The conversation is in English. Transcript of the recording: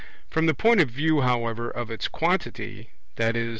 From the point of view, however, of its quantity, i.e.